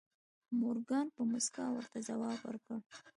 مورګان په موسکا ورته ځواب ورکړ